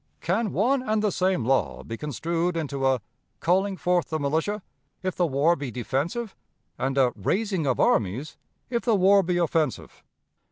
Can one and the same law be construed into a 'calling forth the militia,' if the war be defensive, and a 'raising of armies,' if the war be offensive?